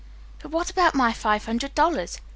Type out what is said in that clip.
"But what about my five hundred dollars?"